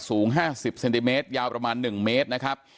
สูงห้าสิบเซนติเมตรยาวประมาณหนึ่งเมตรนะครับ